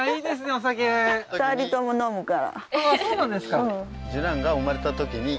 お酒ああーそうなんですか？